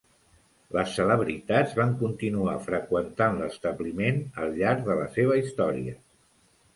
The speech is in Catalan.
Les celebritats van continuar freqüentant l'establiment al llarg de la seva història.